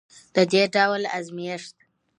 د دې ډول ازمیښت